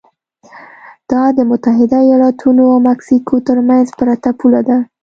دا د متحده ایالتونو او مکسیکو ترمنځ پرته پوله ده.